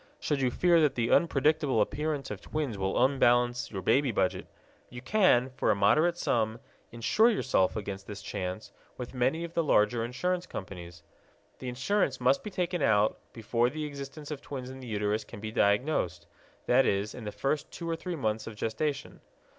Should you fear that the unpredictable appearance of twins will unbalance your baby budget, you can, for a moderate sum, insure yourself against this chance with many of the larger insurance companies. The insurance must be taken out before the existence of twins in the uterus can be diagnosed that is, in the first two or three months of gestation.